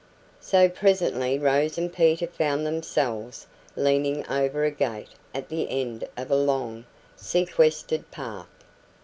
So presently Rose and Peter found themselves leaning over a gate at the end of a long, sequestered path.